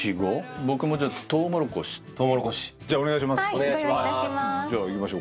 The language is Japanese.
お願いします。